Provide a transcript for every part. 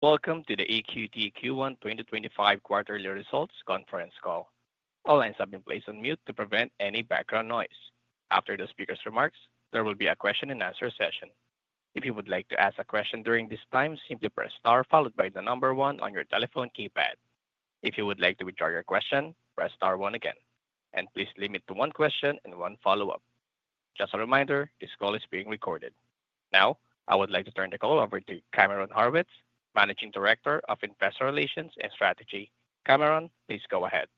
Welcome to the EQT Q1 2025 Quarterly Results Conference Call. All lines have been placed on mute to prevent any background noise. After the Speaker's remarks, there will be a question and answer session. If you would like to ask a question during this time, simply press star followed by the number one on your telephone keypad. If you would like to withdraw your question, press star one again and please limit to one question and one follow up. Just a reminder, this call is being recorded now. I would like to turn the call over to Cameron Horwitz, Managing Director of Investor Relations and Strategy. Cameron, please go ahead.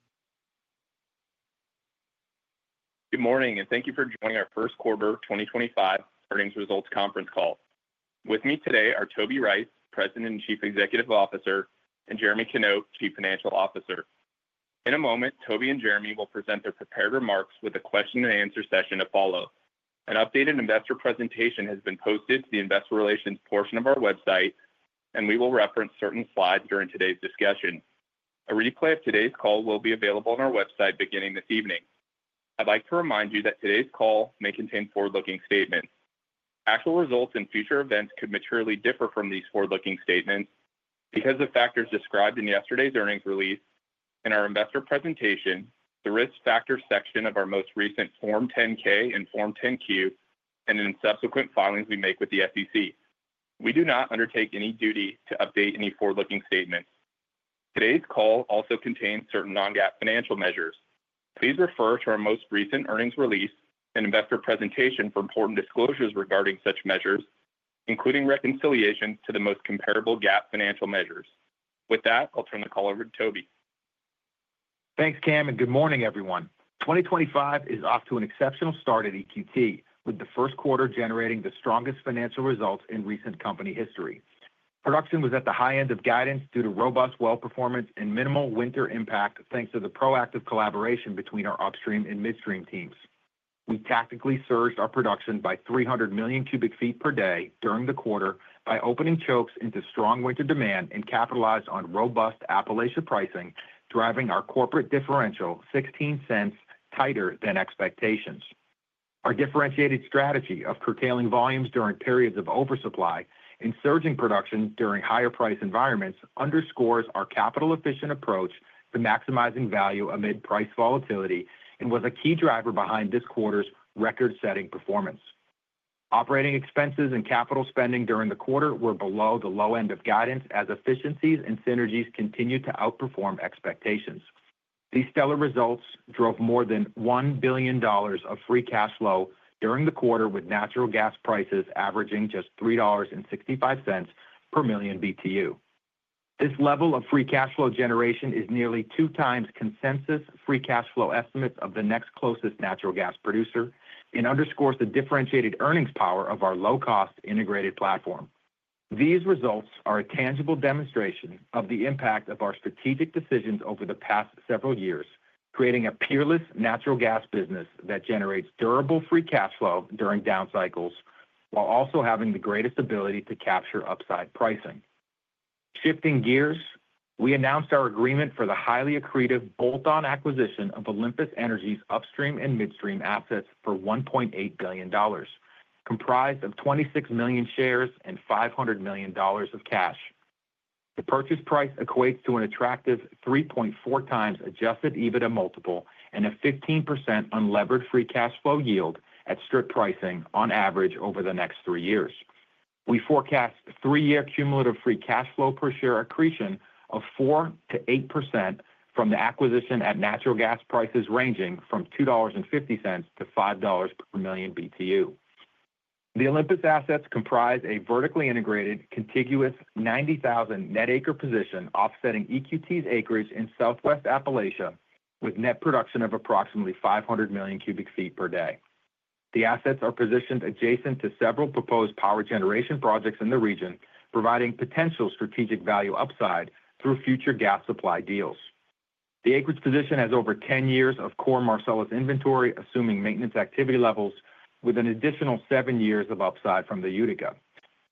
Good morning and thank you for joining our Q1 2025 Earnings Results Conference Call. With me today are Toby Rice, President and Chief Executive Officer, and Jeremy Knop, Chief Financial Officer. In a moment, Toby and Jeremy will present their prepared remarks with a question and answer session to follow. An updated investor presentation has been posted to the Investor Relations portion of our website and we will reference certain slides during today's discussion. A replay of today's call will be available on our website beginning this evening. I'd like to remind you that today's call may contain forward looking statements. Actual results and future events could materially differ from these forward looking statements. Because of factors described in yesterday's earnings release in our investor presentation, the Risk Factors section of our most recent Form 10-K and Form 10-Q and in subsequent filings we make with the SEC, we do not undertake any duty to update any forward looking statements. Today's call also contains certain non-GAAP financial measures. Please refer to our most recent earnings release and investor presentation for important disclosures regarding such measures, including reconciliations to the most comparable GAAP financial measures. With that, I'll turn the call over to Toby. Thanks Cam and good morning everyone. 2025 is off to an exceptional start at EQT with the Q1 generating the strongest financial results in recent company history. Production was at the high end of guidance due to robust well performance and minimal winter impact. Thanks to the proactive collaboration between our upstream and midstream teams, we tactically surged our production by 300 MMscfd during the quarter by opening chokes into strong winter demand and capitalize on robust Appalachia pricing, driving our corporate differential $0.16 tighter than expectations. Our differentiated strategy of curtailing volumes during periods of oversupply and surging production during higher price environments underscores our capital efficient approach to maximizing value amid price volatility and was a key driver behind this quarter's record setting performance. Operating expenses and capital spending during the quarter were below the low end of guidance as efficiencies and synergies continued to outperform expectations. These stellar results drove more than $1 billion of free cash flow during the quarter, with natural gas prices averaging just $3.65 per million BTU. This level of free cash flow generation is nearly two times consensus free cash flow estimates of the next closest natural gas producer and underscores the differentiated earnings power of our low cost integrated platform. These results are a tangible demonstration of the impact of our strategic decisions over the past several years, creating a peerless natural gas business that generates durable free cash flow during down cycles while also having the greatest ability to capture upside pricing. Shifting gears, we announced our agreement for the highly accretive bolt on acquisition of Olympus Energy's upstream and midstream assets for $1.8 billion comprised of 26 million shares and $500 million of cash. The purchase price equates to an attractive 3.4x adjusted EBITDA multiple and a 15% unlevered free cash flow yield at strip pricing on average over the next three years. We forecast three-year cumulative free cash flow per share accretion of 4%-8% from the acquisition at natural gas prices ranging from $2.50-$4.50 per million BTU. The Olympus assets comprise a vertically integrated contiguous 90,000 net acre position offsetting EQT's acreage in Southwest Appalachia with net production of approximately 500 MMscfd. The assets are positioned adjacent to several proposed power generation projects in the region, providing potential strategic value upside through future gas supply deals. The acreage position has over 10 years of core Marcellus inventory assuming maintenance activity levels with an additional seven years of upside from the Utica.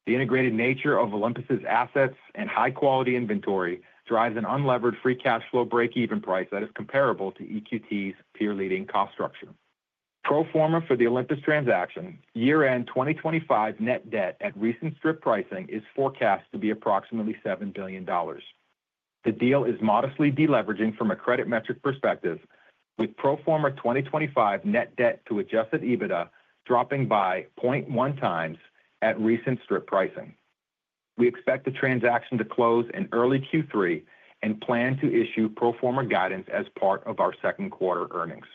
The integrated nature of Olympus assets and high-quality inventory drives an unlevered free cash flow break-even price that is comparable to EQT's peer-leading cost structure. Pro forma for the Olympus Transaction, year end 2025 net debt at recent strip pricing is forecast to be approximately $7 billion. The deal is modestly deleveraging from a credit metric perspective, with pro forma 2025 net debt to adjusted EBITDA dropping by 0.1x at recent strip pricing. We expect the transaction to close in early Q3 and plan to issue pro forma guidance as part of our Q2 earnings.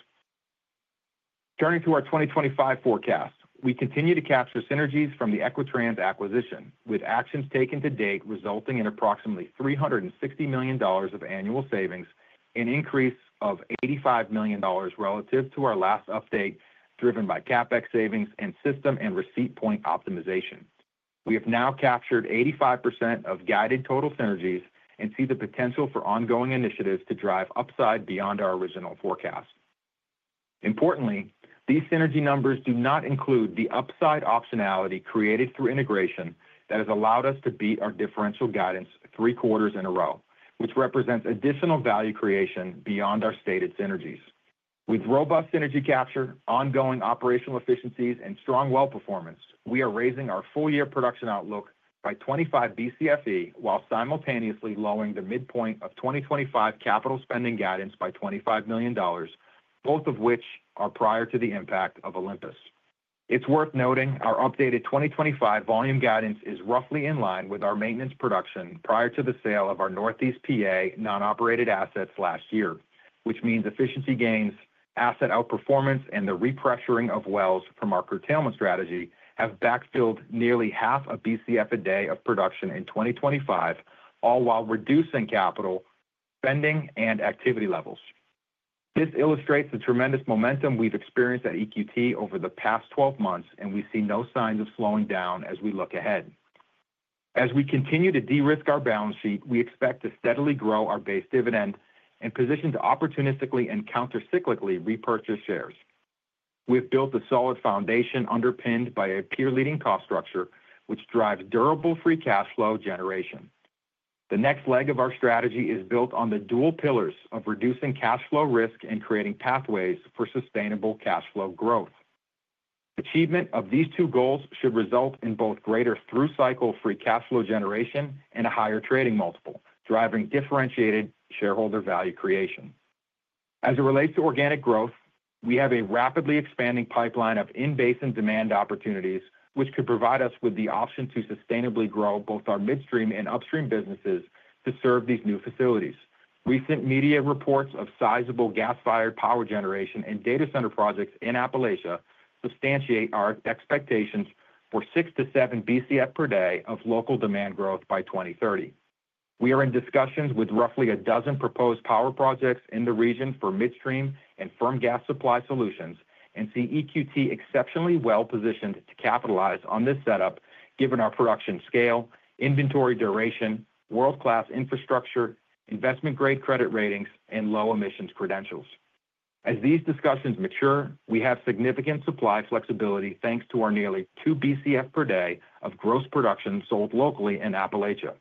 Turning to our 2025 forecast, we continue to capture synergies from the Equitrans acquisition, with actions taken to date resulting in approximately $360 million of annual savings, an increase of $85 million relative to our last update driven by CapEx savings and system and receipt point optimization. We have now captured 85% of guided total synergies and see the potential for ongoing initiatives to drive upside beyond our original forecast. Importantly, these synergy numbers do not include the upside optionality created through integration that has allowed us to beat our differential guidance three out of four in a row, which represents additional value creation beyond our stated synergies. With robust synergy capture, ongoing operational efficiencies and strong well performance, we are raising our full year production outlook by 25 Bcfe while simultaneously lowering the midpoint of 2025 capital spending guidance by $25 million, both of which are prior to the impact of Olympus. It's worth noting our updated 2025 volume guidance is roughly in line with our maintenance production prior to the sale of our Northeast Pennsylvania non operated assets last year, which means efficiency gains, asset outperformance and the repressuring of wells from our curtailment strategy have backfilled nearly half a Bcf a day of production in 2025, all while reducing capital spending and activity levels. This illustrates the tremendous momentum we've experienced at EQT over the past 12 months and we see no signs of slowing down as we look ahead. As we continue to de-risk our balance sheet, we expect to steadily grow our base dividend and position to opportunistically and countercyclically repurchase shares. We've built a solid foundation underpinned by a peer leading cost structure which drives durable free cash flow generation. The next leg of our strategy is built on the dual pillars of reducing cash flow risk and creating pathways for sustainable cash flow growth. Achievement of these two goals should result in both greater through cycle free cash flow generation and a higher trading multiple driving differentiated shareholder value creation as it relates to organic growth. We have a rapidly expanding pipeline of in basin demand opportunities which could provide us with the option to sustainably grow both our midstream and upstream businesses to serve these new facilities. Recent media reports of sizable gas fired power generation and data center projects in Appalachia substantiate our expectations for 6-7 Bcf per day of local demand growth by 2030. We are in discussions with roughly a dozen proposed power projects in the region for midstream and firm gas supply solutions and see EQT exceptionally well positioned to capitalize on this setup given our production scale, inventory duration, world class infrastructure, investment grade credit ratings and low emissions credentials. As these discussions mature we have significant supply flexibility thanks to our nearly 2 Bcf per day of gross production sold locally in Appalachia.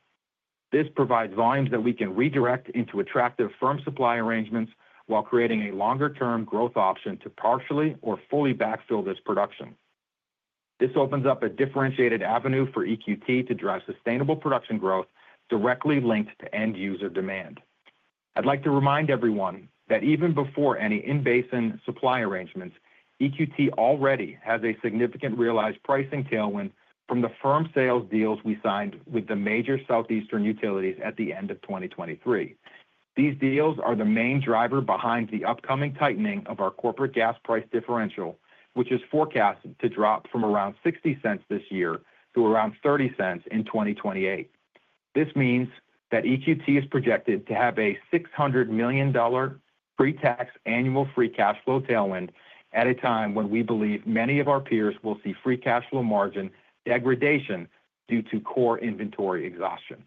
This provides volumes that we can redirect into attractive firm supply arrangements while creating a longer term growth option to partially or fully backfill this production. This opens up a differentiated avenue for EQT to drive sustainable production growth directly linked to end user demand. I'd like to remind everyone that even before any in basin supply arrangements, EQT already has a significant realized pricing tailwind from the firm sales deals we signed with the major Southeastern utilities at the end of 2023. These deals are the main driver behind the upcoming tightening of our corporate gas price differential, which is forecast to drop from around $0.60 this year to around $0.30 in 2028. This means that EQT is projected to have a $600 million pre tax annual free cash flow tailwind at a time when we believe many of our peers will see free cash flow margin degradation due to core inventory exhaustion.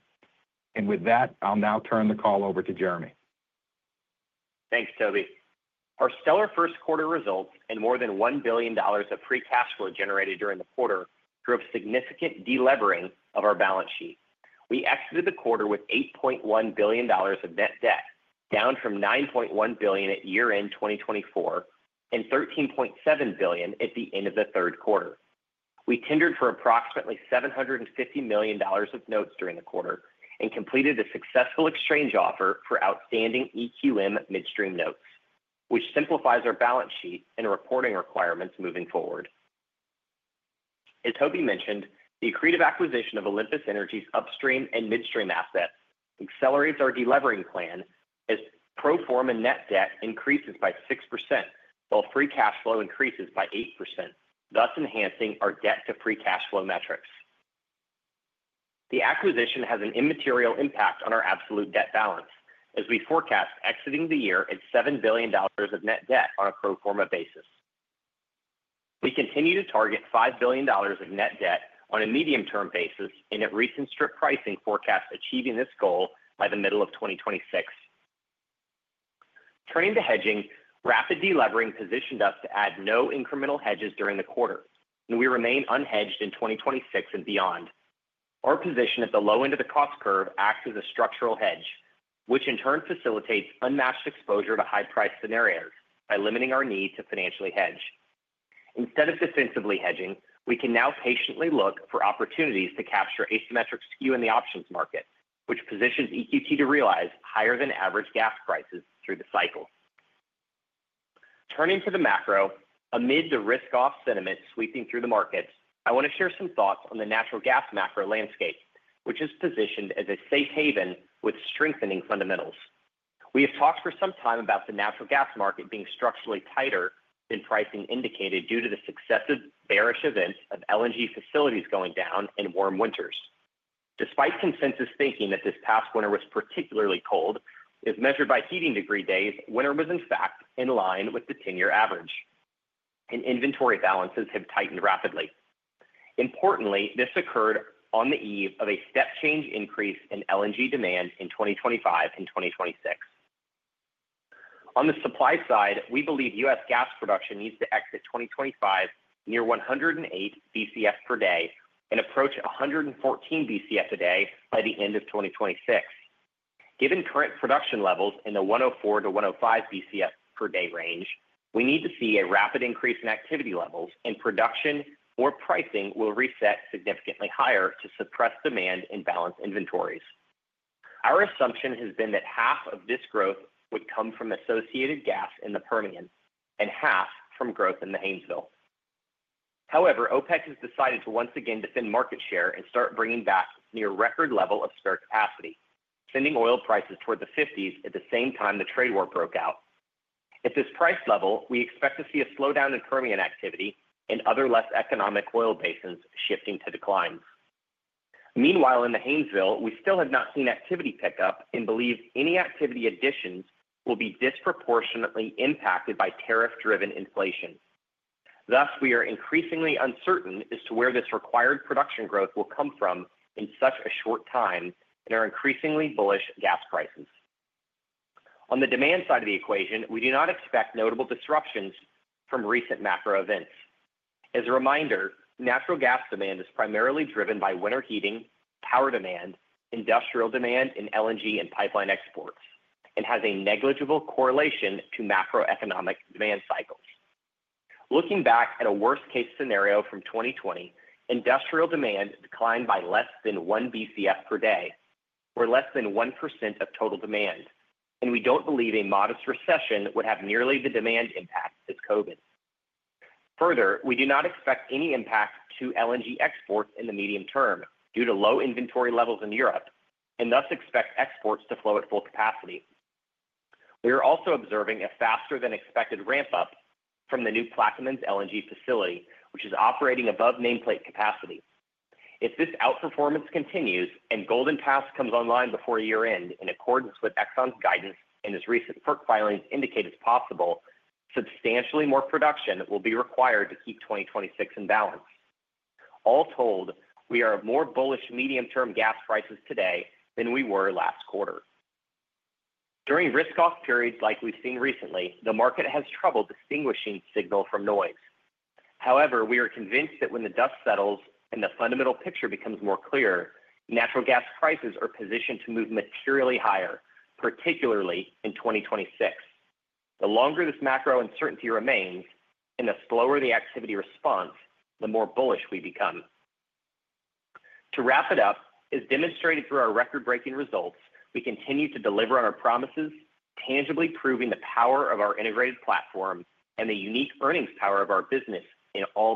With that, I'll now turn the call over to Jeremy. Thanks Toby. Our stellar Q1 results and more than $1 billion of free cash flow generated during the quarter drove significant de-levering of our balance sheet. We exited the quarter with $8.1 billion of net debt, down from $9.1 billion at year end 2024 and $13.7 billion at the end of the Q3. We tendered for approximately $750 million of notes during the quarter and completed a successful exchange offer for outstanding EQM midstream notes, which simplifies our balance sheet and reporting requirements moving forward. As Toby mentioned, the accretive acquisition of Olympus Energy's upstream and midstream assets accelerates our de-levering plan as pro forma net debt increases by 6% while free cash flow increases by 8%, thus enhancing our debt to free cash flow metrics. The acquisition has an immaterial impact on our absolute debt balance as we forecast exiting the year at $7 billion of net debt on a pro forma basis. We continue to target $5 billion of net debt on a medium term basis and at recent strip pricing forecast achieving this goal by the middle of 2026. Turning to hedging, rapid de-levering positioned us to add no incremental hedges during the quarter and we remain unhedged in 2026 and beyond. Our position at the low end of the cost curve acts as a structural hedge, which in turn facilitates unmatched exposure to high price scenarios by limiting our need to financially hedge. Instead of defensively hedging, we can now patiently look for opportunities to capture asymmetric skew in the options market which positions EQT to realize higher than average gas prices through the cycle. Turning to the macro, amid the risk off sentiment sweeping through the markets, I want to share some thoughts on the natural gas macro landscape which is positioned as a safe haven with strengthening fundamentals. We have talked for some time about the natural gas market being structurally tighter than pricing indicated due to the successive bearish events of LNG facilities going down and warm winters. Despite consensus thinking that this past winter was particularly cold as measured by heating degree days, winter was in fact in line with the 10 year average and inventory balances have tightened rapidly. Importantly, this occurred on the eve of a step change increase in LNG demand in 2025 and 2026. On the supply side, we believe US gas production needs to exit 2025 near 108 bcf per day and approach 114 bcf per day by the end of 2026. Given current production levels in the 104-105 bcf per day range, we need to see a rapid increase in activity levels and production or pricing will reset significantly higher to suppress demand and balance inventories. Our assumption has been that half of this growth would come from associated gas in the Permian and half from growth in the Haynesville. However, OPEC has decided to once again defend market share and start bringing back near record level of spare capacity, sending oil prices toward the $50s. At the same time the trade war broke out at this price level, we expect to see a slowdown in Permian activity and other less economic oil basins shifting to declines. Meanwhile in the Haynesville we still have not seen activity pickup and believe any activity additions will be disproportionately impacted by tariff driven inflation. Thus, we are increasingly uncertain as to where this required production growth will come from in such a short time. In our increasingly bullish gas prices. On the demand side of the equation, we do not expect notable disruptions from recent macro events. As a reminder, natural gas demand is primarily driven by winter heating power demand, industrial demand in LNG and pipeline exports and has a negligible correlation to macroeconomic demand cycles. Looking back at a worst case scenario, from 2020 industrial demand declined by less than 1 Bcf per day or less than 1% of total demand, and we don't believe a modest recession would have nearly the demand impact as Covid. Further, we do not expect any impact to LNG exports in the medium term due to low inventory levels in Europe and thus expect exports to flow at full capacity. We are also observing a faster than expected ramp up from the new Plaquemines LNG facility which is operating above nameplate capacity. If this outperformance continues and Golden Pass comes online before year end in accordance with Exxon's guidance and its recent FERC filings indicate as possible, substantially more production will be required to keep 2026 in balance. All told, we are more bullish medium term gas prices today than we were last quarter. During risk off periods like we've seen recently, the market has trouble distinguishing signal from noise. However, we are convinced that when the dust settles and the fundamental picture becomes more clear, natural gas prices are positioned to move materially higher, particularly in 2026. The longer this macro uncertainty remains and the slower the activity response, the more bullish we become. To wrap it up. As demonstrated through our record-breaking results, we continue to deliver on our promises, tangibly proving the power of our integrated platform and the unique earnings power of our business in all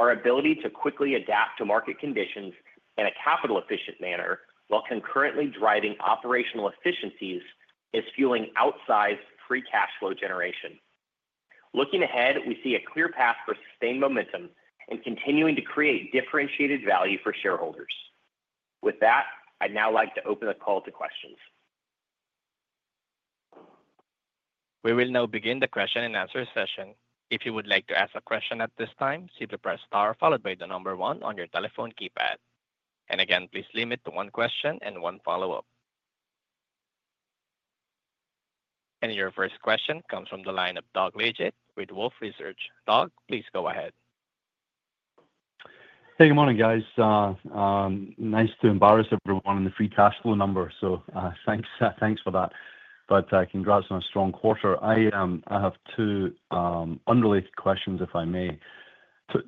market cycles. Our ability to quickly adapt to market conditions in a capital-efficient manner while concurrently driving operational efficiencies is fueling outsized free cash flow generation. Looking ahead, we see a clear path for sustained momentum and continuing to create differentiated value for shareholders. With that, I'd now like to open the call to questions. We will now begin the question and answer session. If you would like to ask a question at this time, simply press star followed by the number one on your telephone keypad. Again, please limit to one question and one follow-up, and your first question comes from the line of Doug Leggate with Wolfe Research. Doug, please go ahead. Hey good morning guys. Nice to embarrass everyone in the free cash flow number. Thanks for that but congrats on a strong quarter. I have two unrelated questions if I may.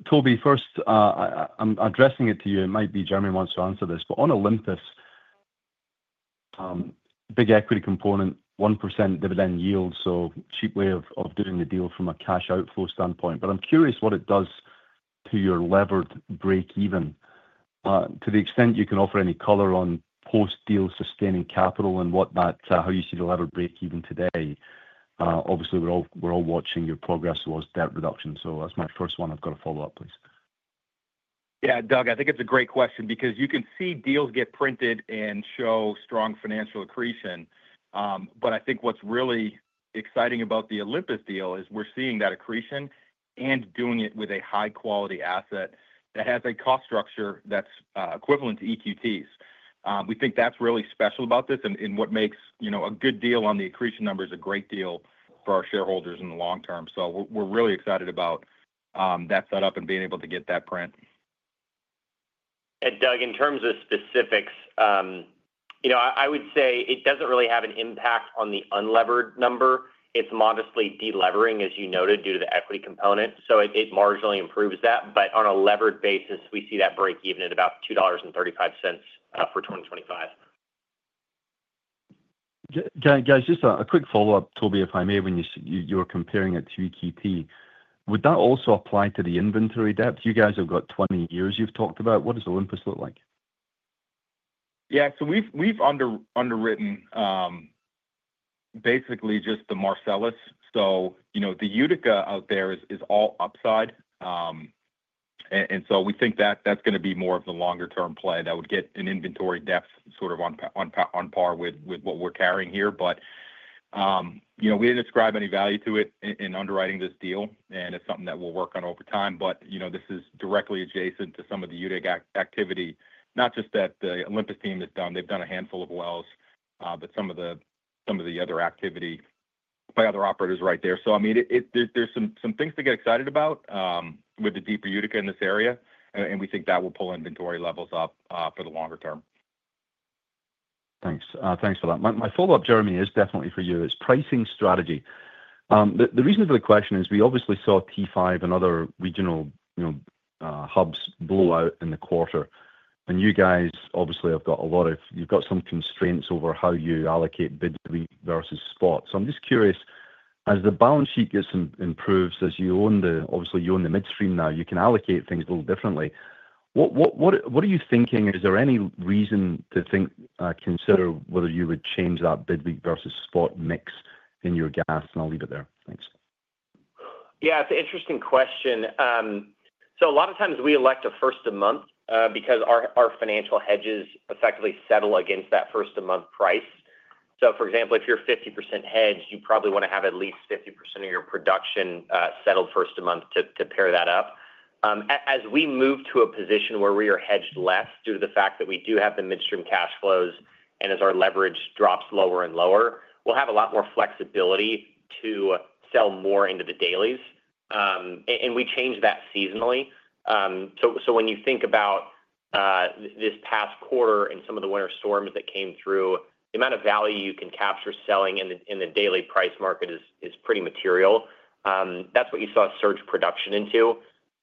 Toby, first I'm addressing it to you. It might be Jeremy wants to answer this but on Olympus big equity component 1% dividend yield. Cheap way of doing the deal from a cash outflow standpoint. I'm curious what it does to your levered break even to the extent you can offer any color on post deal sustaining capital and how you see the lever break even today. Obviously we're all watching your progress towards debt reduction so that's my first one. I've got to follow up, please. Yeah Doug, I think it's a great question because you can see deals get printed and show strong financial accretion. I think what's really exciting about the Olympus deal is we're seeing that accretion and doing it with a high quality asset that has a cost structure that's equivalent to EQT's. We think that's really special about this and what makes, you know, a good deal on the accretion numbers, a great deal for our shareholders in the long term. We're really excited about that set up and being able to get that print. Doug, in terms of specifics, you know I would say it does not really have an impact on the unlevered number. It is modestly de-levering as you noted due to the equity component. It marginally improves that. On a levered basis we see that break even at about $2.35 for 2025. Guys. Just a quick follow up Toby, if I may, when you're comparing it to EQT, would that also apply to the inventory depth? You guys have got 20 years you've talked about what does Olympus look like? Yeah, so we've underwritten basically just the Marcellus so you know the Utica out there is all upside and so we think that that's going to be more of the longer term play that would get an inventory depth sort of on par with what we're carrying here. But you know we didn't ascribe any value to it in underwriting this deal and it's something that we'll work on over time. You know this is directly adjacent to some of the Utica activity, not just that the Olympus team has done, they've done a handful of wells but some of the other activity by other operators right there. I mean there's some things to get excited about with the deeper Utica in this area and we think that will pull inventory levels up for the longer term. Thanks, thanks for that. My follow up, Jeremy, is definitely for you, it's pricing strategy. The reason for the question is we obviously saw T5 and other regional hubs blow out in the quarter and you guys obviously have got a lot of, you've got some constraints over how you allocate bid versus spot. I'm just curious as the balance sheet gets improves as you own the obviously you own the midstream now you can allocate things a little differently. What are you thinking? Is there any reason to think consider whether you would change that bid week versus spot. Mix in your gas and I'll leave it there, thanks. Yeah, it's an interesting question. A lot of times we elect a first of month because our financial hedges effectively settle against that first of month price. For example, if you're 50% hedged, you probably want to have at least 50% of your production settled first of month to pair that up. As we move to a position where we are hedged less due to the fact that we do have the midstream cash flows, and as our leverage drops lower and lower, we'll have a lot more flexibility to sell more into the dailies. We change that seasonally. When you think about this past quarter and some of the winter storms that came through, the amount of value you can capture selling in the daily price market is pretty material. That's what you saw surge production into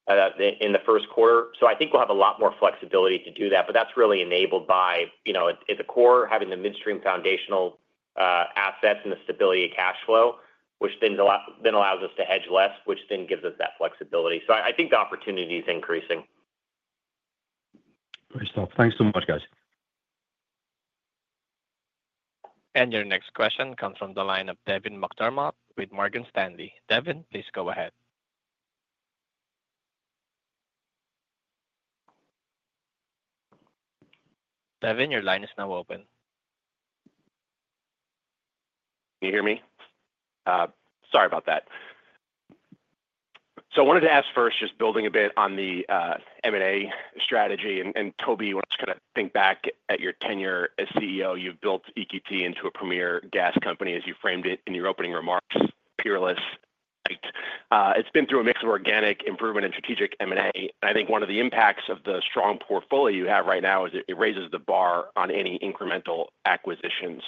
in the Q1. I think we'll have a lot more flexibility to do that. That is really enabled by, you know, at the core having the midstream foundational assets and the stability of cash flow, which then allows us to hedge less, which then gives us that flexibility. I think the opportunity is increasing. Great stuff. Thanks so much, guys. Your next question comes from the line of Devin McDermott with Morgan Stanley. Devin, please go ahead. Devin, your line is now open. Can you hear me? Sorry about that. I wanted to ask first, just building a bit on the M&A strategy and Toby wants to kind of think back as your tenure as CEO, you built EQT into a premier gas company as you framed it in your opening remarks. Peerless. It's been through a mix of organic improvement and strategic M&A. I think one of the impacts of the strong portfolio you have right now is it raises the bar on any incremental acquisitions.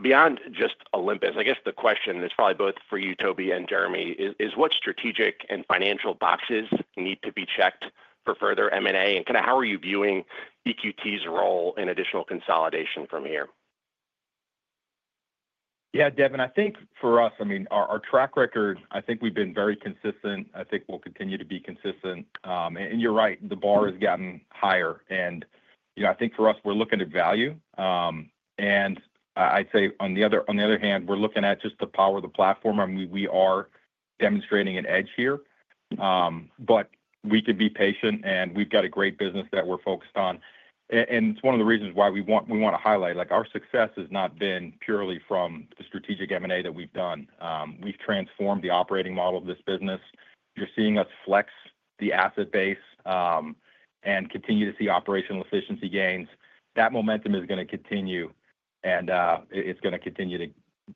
Beyond just Olympus, I guess the question is probably both for you, Toby and Jeremy, is what strategic and financial boxes need to be checked for further M&A and kind of how are you viewing equity role in additional consolidation from here? Yeah, Devin, I think for us, I mean, our track record, I think we've been very consistent. I think we'll continue to be consistent. You're right, the bar has gotten higher. You know, I think for us we're looking at value. I'd say on the other hand, we're looking at just the power of the platform and we are demonstrating an edge here. We could be patient and we've got a great business that we're focused on. It's one of the reasons why we want to highlight like our success has not been purely from the strategic M&A that we've done. We've transformed the operating model of this business. You're seeing us flex the asset base and continue to see operational efficiency gains. That momentum is going to continue and it's going to continue to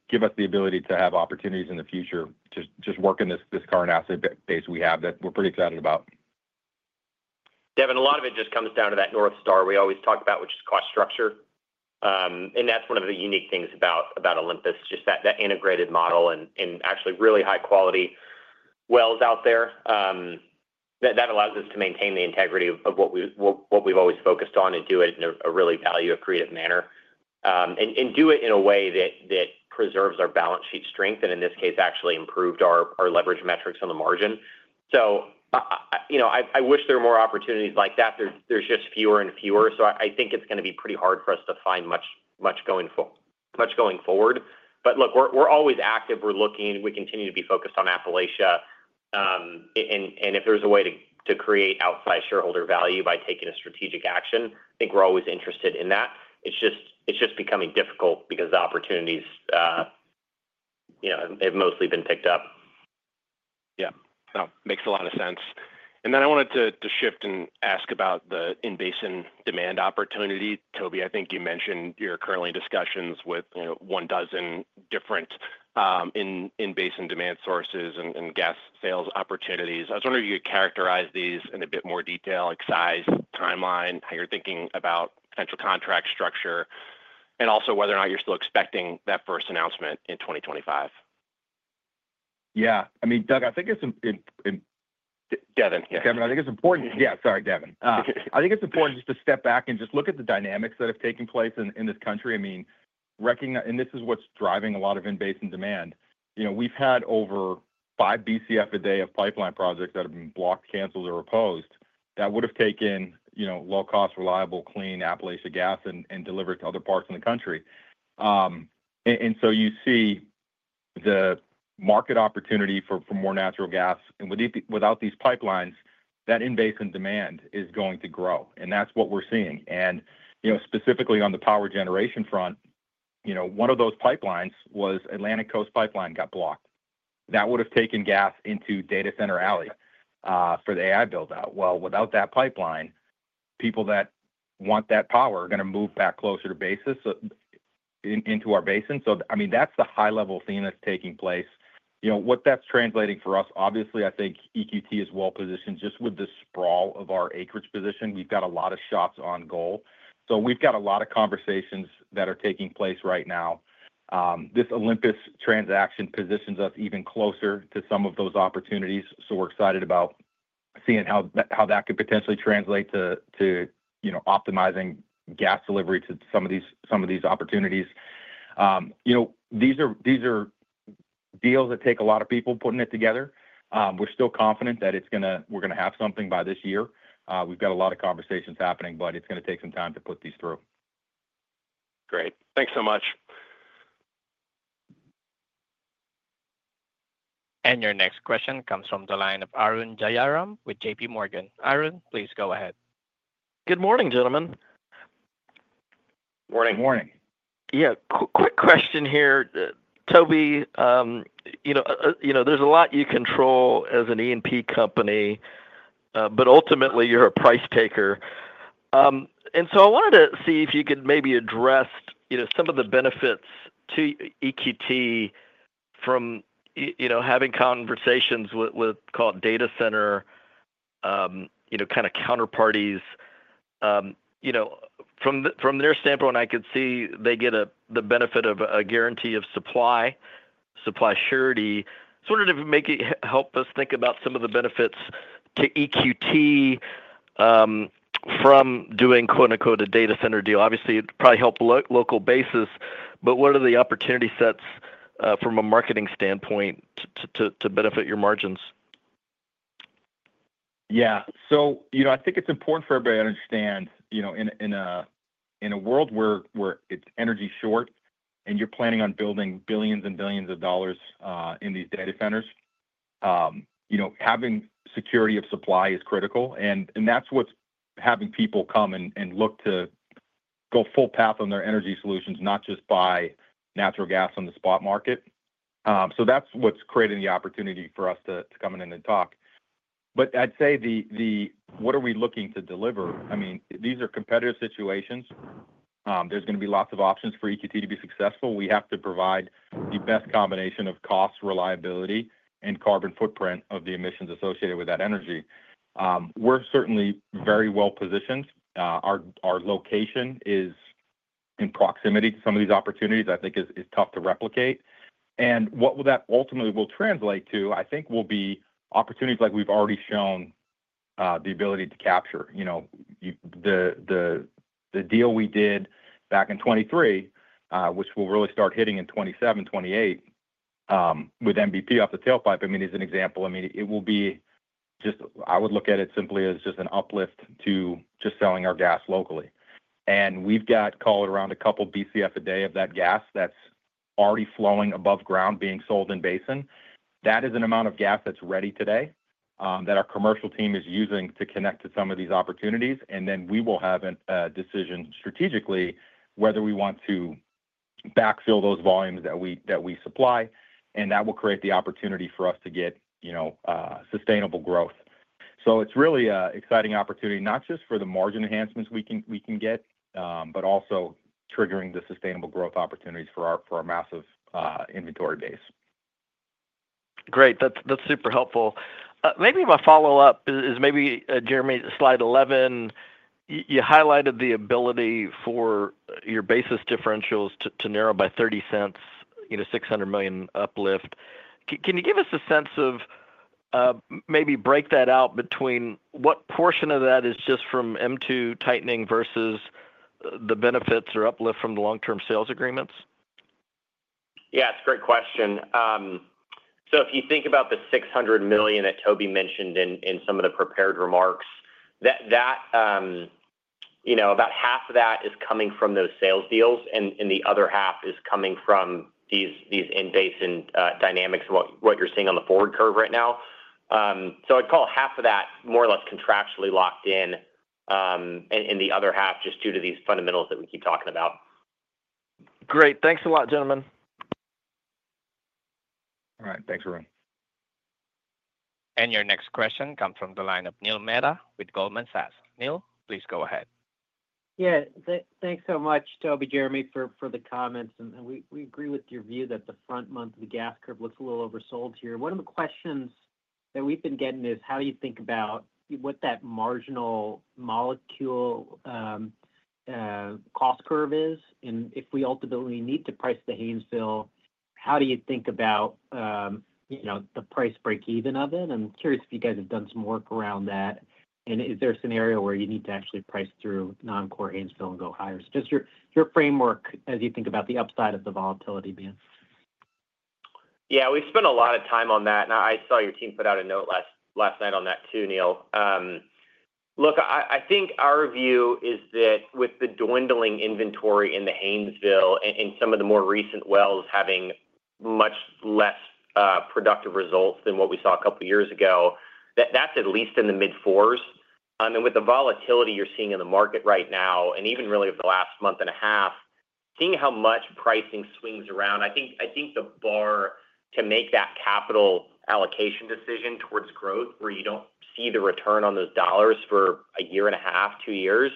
give us the ability to have opportunities in the future to just work in this current asset base we have that we're pretty excited about. Devin, a lot of it just comes down to that North Star we always talk about, which is cost structure. That is one of the unique things about Olympus. Just that integrated model and actually really high quality wells out there that allows us to maintain the integrity of what we have always focused on and do it in a really value accretive manner and do it in a way that preserves our balance sheet strength and in this case actually improved our leverage metrics on the margin. I wish there were more opportunities like that. There are just fewer and fewer. I think it is going to be pretty hard for us to find much going forward. Look, we are always active, we are looking. We continue to be focused on Appalachia and if there's a way to create outside shareholder value by taking a strategic action, I think we're always interested in that. It's just becoming difficult because the opportunities have mostly been picked up. Yeah, makes a lot of sense. I wanted to shift and ask about the in basin demand opportunity. Toby, I think you mentioned you're currently in discussions with one dozen different in basin demand sources and gas sales opportunities. I was wondering if you could characterize these in a bit more detail like size, timeline, how you're thinking about potential contract structure and also whether or not you're still expecting that first announcement in 2025. Yeah, I mean, Doug, I think it's. Devin. Yeah, I think it's important. Yeah, sorry Devin. I think it's important just to step back and just look at the dynamics that have taken place in this country. I mean recognizing and this is what's driving a lot of in basin demand. You know, we've had over 5 Bcf a day of pipeline projects that have been blocked, canceled or opposed that would have taken low cost, reliable, clean Appalachian gas and delivered to other parts of the country. You see the market opportunity for more natural gas and without these pipelines that in basin demand is going to grow. That's what we're seeing. Specifically on the power generation front, one of those pipelines was Atlantic Coast Pipeline got blocked. That would have taken gas into Data Center Alley for the AI buildout. Without that pipeline, people that want that power are going to move back closer to basis into our basin. I mean, that's the high level theme that's taking place. You know what that's translating for us. Obviously, I think EQT is well positioned. Just with the sprawl of our acreage position, we've got a lot of shots on goal. We've got a lot of conversations that are taking place right now. This Olympus transaction positions us even closer to some of those opportunities. We're excited about seeing how that could potentially translate to, you know, optimizing gas delivery to some of these, some of these opportunities. You know, these are deals that take a lot of people putting it together. We're still confident that it's going to, we're going to have something by this year. We've got a lot of conversations happening, but it's going to take some time to put these through. Great, thanks so much. Your next question comes from the line of Arun Jayaram with JPMorgan. Arun, please go ahead. Good morning, gentlemen. Morning. Yeah, quick question here Toby. You know, you know there's a lot you control as an E&P company but ultimately you're a price taker. I wanted to see if you could maybe address, you know, some of the benefits to EQT from, you know, having conversations with, call it, data center. You know, kind of counterparties. You know, from their standpoint I could see they get the benefit of a guarantee of supply, supply surety, sort of make it help us think about some of the benefits to EQT from doing quote unquote a data center deal. Obviously it probably help local basis but what are the opportunity sets from a marketing standpoint to benefit your margins. Yeah. So you know, I think it's important for everybody to understand, you know, in a world where it's energy short and you're planning on building billions and billions of dollars in these data centers, you know having security of supply is critical and that's what's having people come and look to go full path on their energy solutions, not just buy natural gas on the spot market. That's what's creating the opportunity for us to come in and talk. I'd say the what are we looking to deliver? I mean these are competitive situations. There's going to be lots of options. For EQT to be successful we have to provide the best combination of cost, reliability and carbon footprint of the emissions associated with that energy. We're certainly very well positioned. Our location is in proximity to some of these opportunities I think is tough to replicate. What that ultimately will translate to I think will be opportunities like we've already shown the ability to capture, you know, the deal we did back in 2023 which will really start hitting in 2027, 2028 with MVP off the tailpipe. I mean, as an example, I mean it will be just, I would look at it simply as just an uplift to just selling our gas locally. We've got, call it, around a couple Bcf a day of that gas that's already flowing above ground being sold in Basin. That is an amount of gas that's ready today that our commercial team is using to connect to some of these opportunities. We will have a decision strategically whether we want to backfill those volumes that we supply and that will create the opportunity for us to get, you know, sustainable growth. It is really exciting opportunity not just for the margin enhancements we can get but also triggering the sustainable growth opportunities for our massive inventory base. Great, that is super helpful. Maybe my follow up is maybe Jeremy, slide 11. You highlighted the ability for your basis differentials to narrow by $0.30, $600 million uplift. Can you give us a sense of maybe break that out between what portion of that is just from M2 tightening versus the benefits or uplift from the long term sales agreements? Yeah, it's a great question. If you think about the $600 million that Toby mentioned in some of the prepared remarks, about half of that is coming from those sales deals and the other half is coming from these in-basin dynamics, what you're seeing on the forward curve right now. I'd call half of that more or less contractually locked in and the other half just due to these fundamentals that we keep talking about. Great, thanks a lot gentlemen. All right, thanks Arun. Your next question comes from the line of Neil Mehta with Goldman Sachs. Neil, please go ahead. Yeah, thanks so much Toby, Jeremy, for the comments. We agree with your view that the front month of the gas curve looks a little oversold here. One of the questions that we've been getting is how do you think about what that marginal molecule cost curve is and if we ultimately need to price the Haynesville, how do you think about the price break even of it? I'm curious if you guys have done some work around that and is there a scenario where you need to actually price through non core Haynesville and go higher? Just your framework as you think about the upside of the volatility band. Yeah, we've spent a lot of time on that and I saw your team put out a note last night on that too. Neil. Look, I think our view is that with the dwindling inventory in the Haynesville and some of the more recent wells having much less productive results than what we saw a couple of years ago, that's at least in the mid fours. With the volatility you're seeing in the market right now and even really over the last month and a half, seeing how much pricing swings around, I think the bar to make that capital allocation decision towards growth, where you don't see the return on those dollars for a year and a half, two years,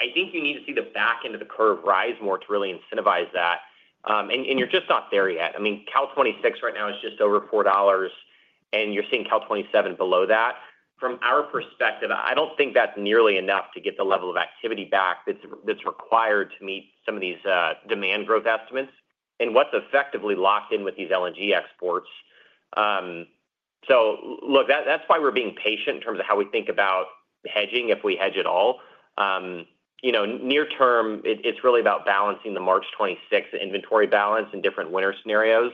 I think you need to see the back end of the curve rise more to really incentivize that. You're just not there yet. I mean, Cal 2026 right now is just over $4 and you're seeing Cal 2027 below that. From our perspective, I don't think that's nearly enough to get the level of activity back that's required to meet some of these demand growth estimates and what's effectively locked in with these LNG exports. Look, that's why we're being patient in terms of how we think about hedging if we hedge at all. You know, near term, it's really about balancing the March 26 inventory balance in different winter scenarios.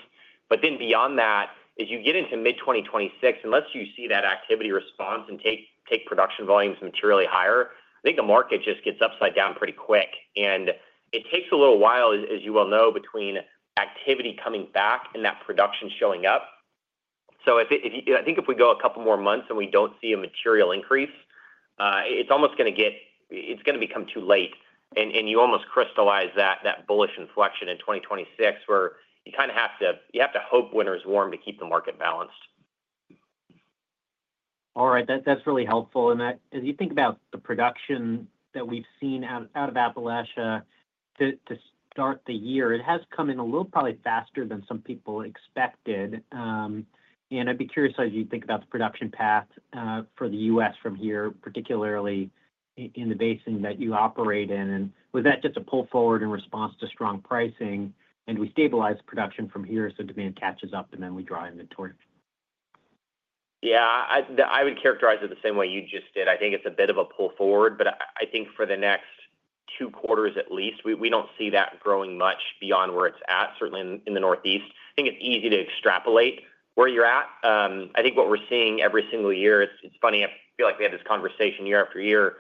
Then beyond that, as you get into mid-2026, unless you see that activity response and take production volumes materially higher, I think the market just gets upside down pretty quick. It takes a little while, as you well know, between activity coming back and that production showing up. I think if we go a couple more months and we do not see a material increase, it is almost going to get, it is going to become too late. You almost crystallize that bullish inflection in 2026, where you kind of have to, you have to hope winter is warm to keep the market balanced. All right, that is really helpful. As you think about the production that we have seen out of Appalachia to start the year, it has come in a little, probably faster than some people expected. I would be curious as you think about the production path for the U.S. from here, particularly in the basin that you operate in, and was that just a pull forward in response to strong pricing and we stabilize production from here so demand catches up and then we draw inventory. Yeah, I would characterize it the same way you just did. I think it's a bit of a pull forward, but I think for the next two quarters at least we don't see that growing much beyond where it's at. Certainly in the Northeast. I think it's easy to extrapolate where you're at. I think what we're seeing every single year, it's funny, I feel like we have this conversation year after year.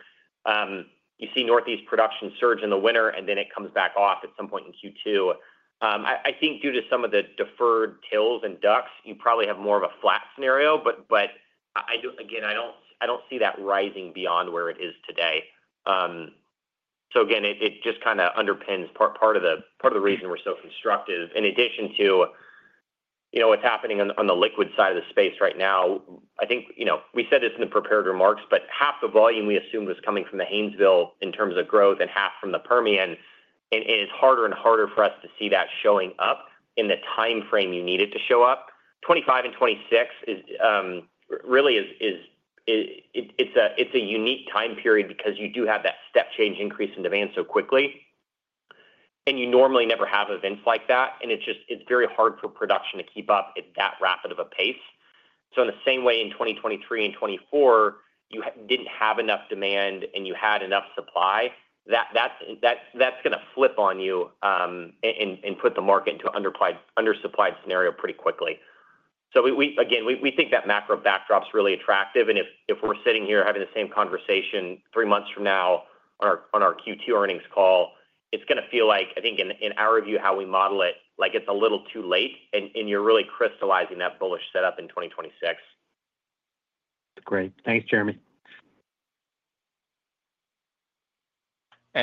You see Northeast production surge in the winter and then it comes back off at some point in Q2. I think due to some of the deferred tills and ducks, you probably have more of a flat scenario. Again, I don't see that rising beyond where it is today. It just kind of underpins part of the, part of the reason we're so constructive in addition to, you know, what's happening on the liquid side of the space right now. I think, you know, we said this in the prepared remarks, but half the volume we assumed was coming from the Haynesville in terms of growth and half from the Permian. It is harder and harder for us to see that showing up in the timeframe you need it to show up. 2025 and 2026 really is, it's a unique time period because you do have that step change increase in demand so quickly and you normally never have events like that. It's just, it's very hard for production to keep up at that rapid of a pace. In the same way in 2023 and 2024 you did not have enough demand and you had enough supply, that is going to flip on you and put the market into an undersupplied scenario pretty quickly. We think that macro backdrop is really attractive. If we are sitting here having the same conversation three months from now on our Q2 earnings call, it is going to feel like, I think in our review how we model it, like it is a little too late and you are really crystallizing that bullish setup in 2026. Great. Thanks, Jeremy.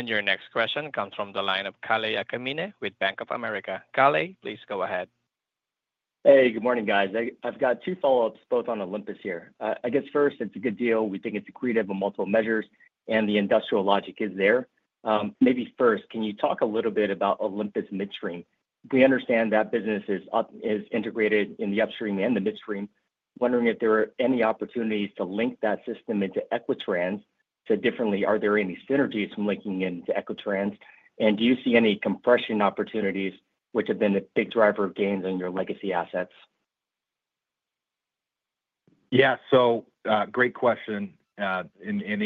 Your next question comes from the line of Kalei Akamine with Bank of America. Kalei, please go ahead. Hey, good morning guys. I have got two follow ups, both on Olympus here. I guess first, it is a good deal. We think it is accretive of multiple measures and the industrial logic is there maybe. First, can you talk a little bit about Olympus midstream? We understand that business is integrated in the upstream and the midstream. Wondering if there are any opportunities to link that system into Equitrans, said differently. Are there any synergies from linking into Equitrans. And do you see any compression opportunities which have been a big driver of gains on your legacy assets? Yeah. Great question. The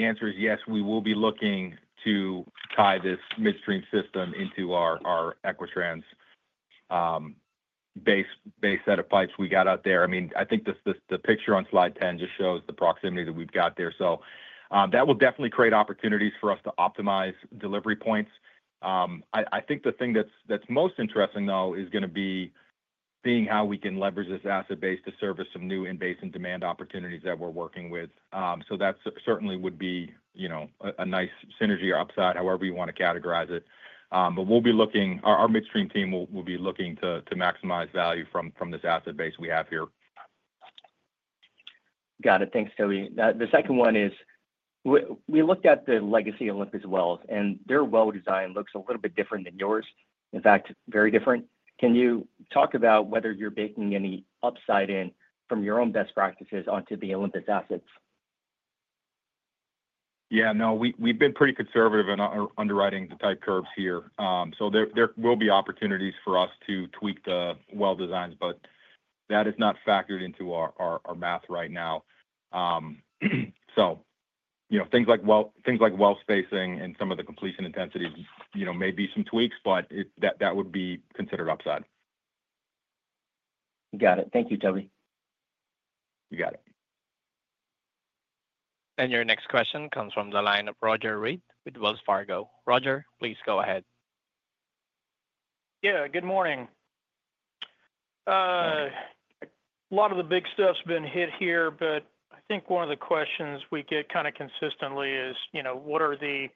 answer is yes, we will be looking to tie this midstream system into our Equitrans base set of pipes we got out there. I mean, I think the picture on slide 10 just shows the proximity that we've got there. That will definitely create opportunities for us to optimize delivery points. I think the thing that's most interesting though, is going to be seeing how we can leverage this asset base to service some new in basin demand opportunities that we're working with. That certainly would be, you know, a nice synergy or upside, however you want to categorize it. We'll be looking, our midstream team will be looking to maximize value from this asset base we have here. Got it. Thanks, Toby. The second one is we looked at the legacy Olympus wells and their well design looks a little bit different than yours. In fact, very different. Can you talk about whether you're baking any upside in from your own best practices onto the Olympus assets? Yeah, no, we have been pretty conservative in our underwriting the type curves here, so there will be opportunities for us to tweak the well designs, but that is not factored into our math right now. You know, things like, well, things like well spacing and some of the completion intensities, you know, may be some tweaks, but that would be considered upside. Got it. Thank you, Toby. You got it. Your next question comes from the line of Roger Read with Wells Fargo. Roger, please go ahead. Yeah, good morning. A lot of the big stuff's been hit here, but I think one of the questions we get kind of consistently is, you know, what are the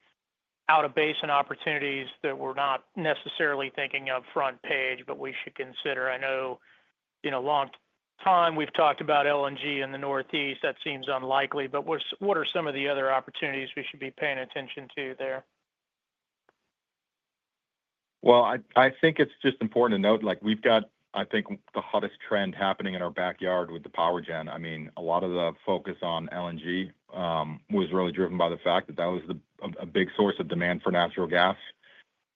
out of basin opportunities that we're not necessarily thinking of front page, but we should consider. I know in a long time we've talked about LNG in the Northeast. That seems unlikely, but what are some of the other opportunities we should be paying attention to there? I think it's just important to note, like we've got, I think, the hottest trend happening in our backyard with the power gen. I mean, a lot of the focus on LNG was really driven by the fact that that was a big source of demand for natural gas.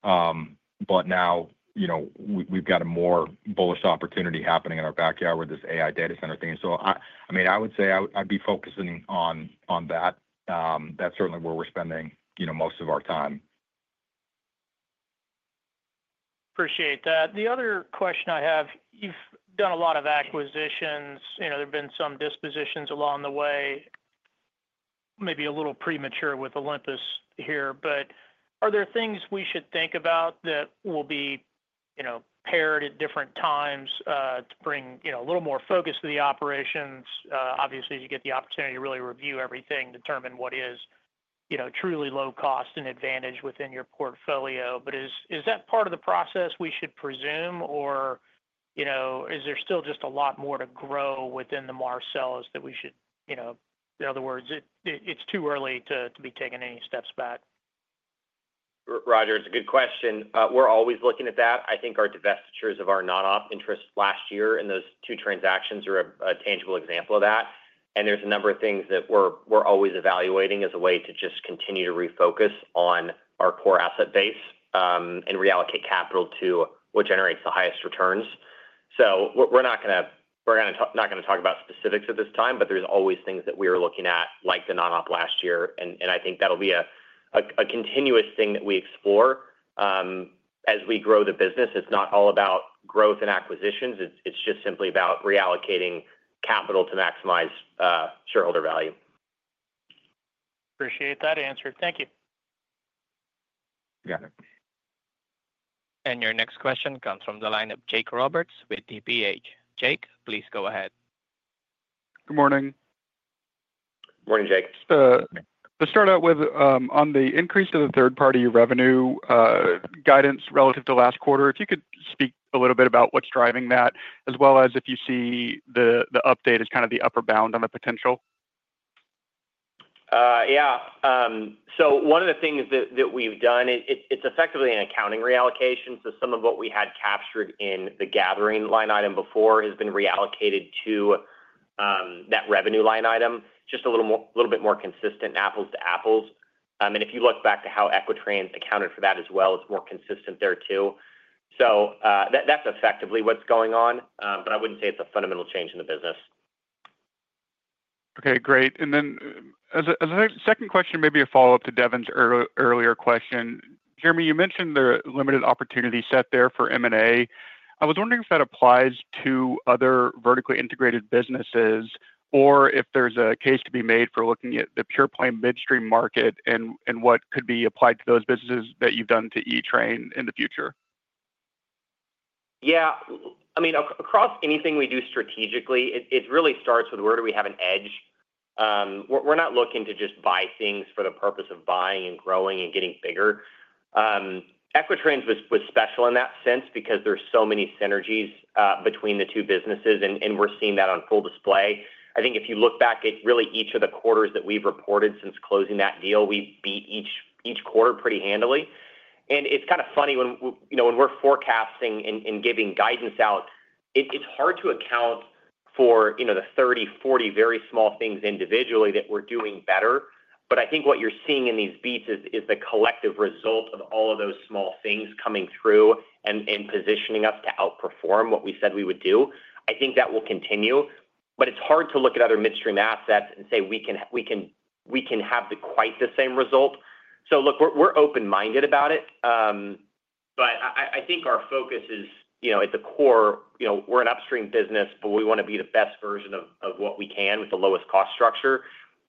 Now, you know, we've got a more bullish opportunity happening in our backyard with this AI data center thing. I mean, I would say I'd be focusing on that. That's certainly where we're spending most of our time. Appreciate that. The other question I have, you've done a lot of acquisitions. You know, there have been some dispositions along the way, maybe a little premature with Olympus here, but are there things we should think about that will be, you know, paired at different times to bring, you know, a little more focus to the operations? Obviously you get the opportunity to really review everything, determine what is, you know, truly low cost and advantage within your portfolio. But is that part of the process we should presume, or, you know, is there still just a lot more to grow within the Marcellus that we should, you know, in other words, it's too early to be taking any steps back? Roger, it's a good question. We're always looking at that. I think our divestitures of our non op interest last year in those two transactions are a tangible example of that. There are a number of things that we are always evaluating as a way to just continue to refocus on our core asset base and reallocate capital to what generates the highest returns. We are not going to talk about specifics at this time, but there are always things that we are looking at like the non op last year. I think that will be a continuous thing that we explore as we grow the business. It is not all about growth and acquisitions. It is just simply about reallocating capital to maximize shareholder value. Appreciate that answer. Thank you. Your next question comes from the line of Jake Roberts with TPH. Jake, please go ahead. Good morning. Morning. Jake. To start out with, on the increase to the third party revenue guidance relative to last quarter, if you could speak a little bit about what's driving that as well as if you see the update as kind of the upper bound on the potential. Yeah. One of the things that we've done, it's effectively an accounting reallocation. Some of what we had captured in the gathering line item before has been reallocated to that revenue line item, just a little bit more consistent, apples to apples. If you look back to how Equitrans accounted for that as well, it's more consistent there too. That's effectively what's going on. I wouldn't say it's a fundamental change in the business. Okay, great. As a second question, maybe a follow up to Devin's earlier question, Jeremy, you mentioned the limited opportunity set there for M&A. I was wondering if that applies to other vertically integrated businesses or if there's a case to be made for looking at the pure play midstream market and what could be applied to those businesses that you've done to EQT in the future. Yeah, I mean across anything we do strategically, it really starts with where do we have an edge. We're not looking to just buy things for the purpose of buying and growing and getting bigger. Equitrans was special in that sense because there's so many synergies between the two businesses and we're seeing that on full display. I think if you look back at really each of the quarters that we've reported since closing that deal, we beat each quarter pretty handily. It's kind of funny when we're forecasting and giving guidance out, it's hard to account for the 30-40 very small things individually that we're doing better. I think what you're seeing in these beats is the collective result of all of those small things coming through and positioning us to outperform what we said we would do. I think that will continue. It's hard to look at other midstream assets and say we can have quite the same result. Look, we're open minded about it, but I think our focus is at the core. We're an upstream business, but we want to be the best version of what we can with the lowest cost structure.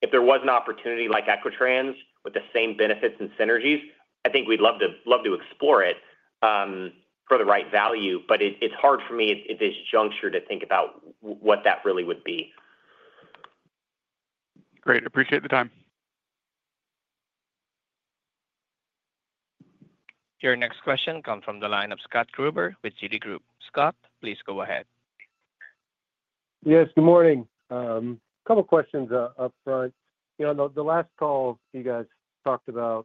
If there was an opportunity like Equitrans with the same benefits and synergies, I think we'd love to explore it for the right value, but it's hard for me at this juncture to think about what that really would be. Great. Appreciate the time. Your next question comes from the line of Scott Gruber with Citigroup. Scott, please go ahead. Yes, good morning. A couple questions up front. You know, the last call you guys talked about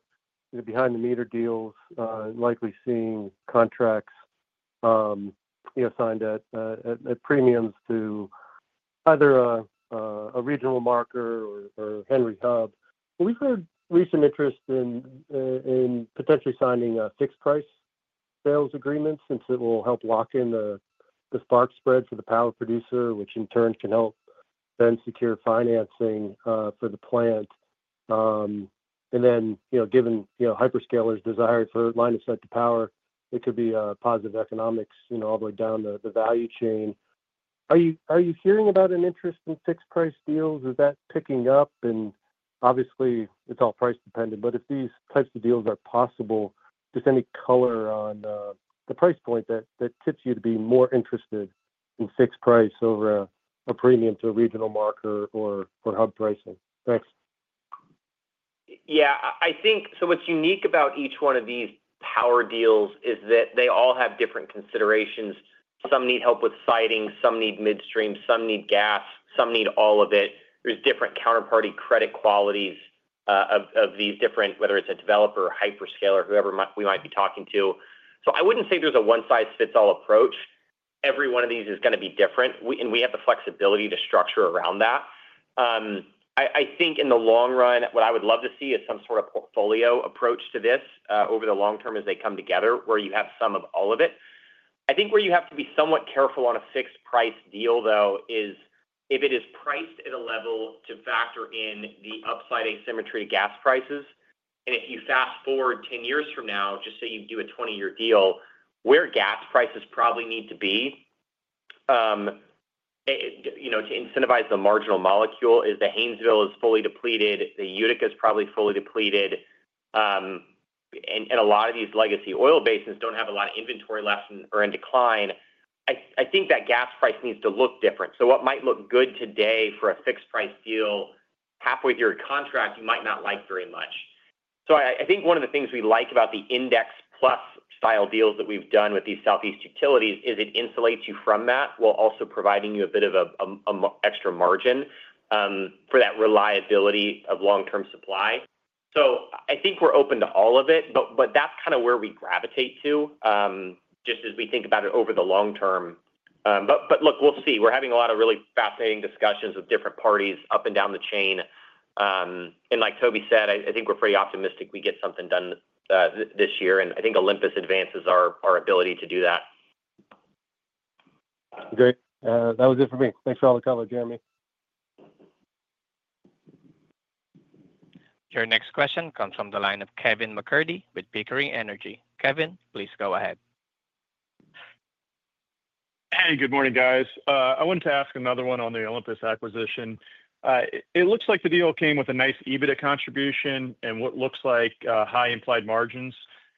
the behind the meter deals. Likely seeing contracts, you know, signed at premiums to either a regional marker or Henry Hub. We've heard recent interest in potentially signing fixed price sales agreements since it will help lock in the spark spread for the power producer which in turn can help then secure financing for the plant. You know, given, you know hyperscalers desire for line of sight to power, it could be positive economics, you know, all the way down the value chain. Are you, are you hearing about an interest in fixed price deals? Is that picking up? Obviously it's all price dependent. If these types of deals are possible, just any color on the price point, that tips you to be more interested in fixed price over a premium to regional marker or hub pricing. Thanks. Yeah, I think so. What's unique about each one of these power deals is that they all have different considerations. Some need help with siting, some need midstream, some need gas, some need all of it. There are different counterparty credit qualities of these different whether it's a developer, hyperscaler, whoever we might be talking to. I would not say there's a one size fits all approach. Every one of these is going to be different and we have the flexibility to structure around that. I think in the long run what I would love to see is some sort of portfolio approach to this over the long term as they come together where you have some of all of it. I think where you have to be somewhat careful on a fixed price deal though is if it is priced at a level to factor in the upside asymmetry to gas prices. If you fast forward 10 years from now, just say you do a 20 year deal where gas prices probably need to be to incentivize. The marginal molecule is the Haynesville is fully depleted, the Utica is probably fully depleted and a lot of these legacy oil basins do not have a lot of inventory left or are in decline. I think that gas price needs to look different. What might look good today for a fixed price deal halfway through a contract you might not like very much. I think one of the things we like about the index plus style deals that we've done with these southeast utilities is it insulates you from that while also providing you a bit of extra margin for that reliability of long term supply. I think we're open to all of it, but that's kind of where we gravitate to just as we think about it over the long term. Look, we'll see. We're having a lot of really fascinating discussions with different parties up and down the chain. Like Toby said, I think we're pretty optimistic we get something done this year and I think Olympus advances our ability to do that. Great. That was it for me. Thanks for all the color. Jeremy, your next question comes from the line of Kevin McCurdy with Pickering Energy. Kevin, please go ahead. Hey, good morning guys. I wanted to ask another one on the Olympus acquisition. It looks like the deal came with a nice EBITDA contribution and what looks like high implied margins.